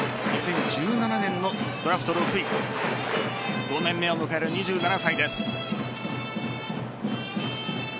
２０１７年のドラフト６位５年目を迎える２７歳です。